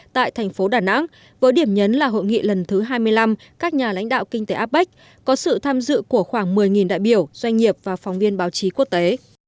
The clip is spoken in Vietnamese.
tại thành phố đà nẵng với điểm nhấn là hội nghị lần thứ hai mươi năm các nhà lãnh đạo kinh tế apec có sự tham dự của khoảng một mươi đại biểu doanh nghiệp và phóng viên báo chí quốc tế